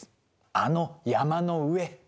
あの山の上！